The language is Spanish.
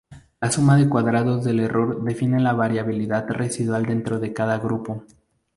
La suma de cuadrados del error define la variabilidad residual dentro de cada grupo.